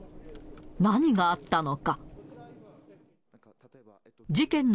何があったのか。